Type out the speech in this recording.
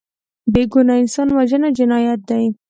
بېګناه انسان وژنه جنایت دی